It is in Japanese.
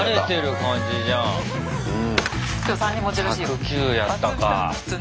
１０９やったか。